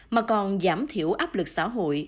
mà còn giảm thiểu áp lực xã hội